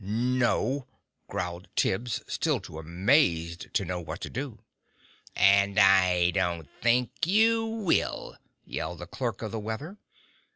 "No," growled Tibbs, still too amazed to know what to do. "And I don't think you will!" yelled the Clerk of the Weather.